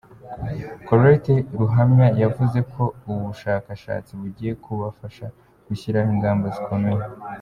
Colette Ruhamya, yavuze ko ubu bushakashatsi bugiye kubafasha gushyiraho ingamba zikomeye.